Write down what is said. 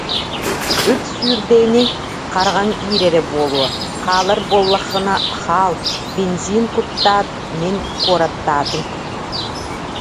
Ыт сүүрдэ ини, хараҕыҥ иирэрэ буолуо, хаалар буоллаххына хаал, бензин куттаат, мин куораттаатым